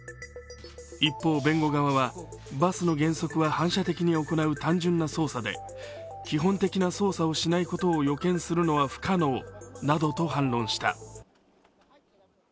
一方、弁護側は、バスの減速は反射的に行う基本的な操作をしないことを予見するのは不可能などと反論した。